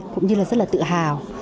cũng như là rất là tự hào